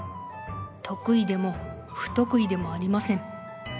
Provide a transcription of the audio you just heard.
得意でも不得意でもありません。